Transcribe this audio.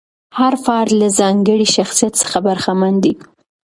هر فرد له ځانګړي شخصیت څخه برخمن دی.